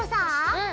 うん。